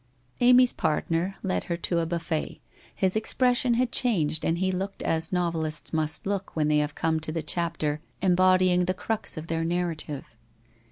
Amy's partner led her to a buffet. His expression had changed and he looked as novelists must look when they have come to the chapter embodying the crux of their narrative.